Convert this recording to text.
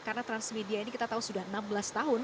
karena transmedia ini kita tahu sudah enam belas tahun